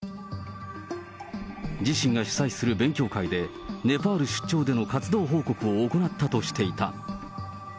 自身が主催する勉強会で、ネパール出張での活動報告を行ったとしていた。